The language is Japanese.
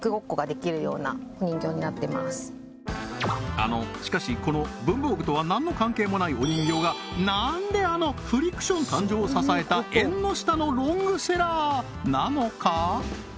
あのしかしこの文房具とは何の関係もないお人形が何であのフリクション誕生を支えたえんの下のロングセラーなのか？